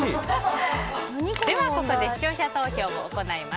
では、ここで視聴者投票を行います。